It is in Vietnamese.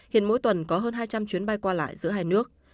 hiện mỗi tuần có hơn hai trăm linh chuyến bay qua lại giữa hai nước